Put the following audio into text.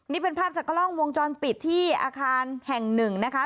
นี่เป็นภาพจากกล้องวงจรปิดที่อาคารแห่งหนึ่งนะคะ